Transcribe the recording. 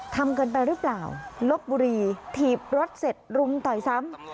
ทำเกินไปหรือเปล่าลบบุรีถีบรถเสร็จรุมต่อยซ้ำ